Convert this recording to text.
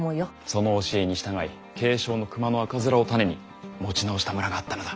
その教えに従い軽症の熊の赤面を種に持ち直した村があったのだ。